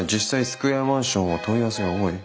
スクエアマンションは問い合わせが多い。